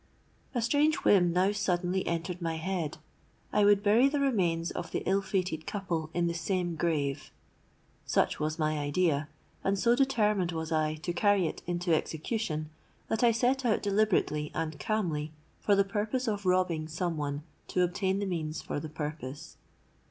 "A strange whim now suddenly entered my head: I would bury the remains of the ill fated couple in the same grave! Such was my idea; and so determined was I to carry it into execution that I set out deliberately and calmly for the purpose of robbing some one to obtain the means for the purpose.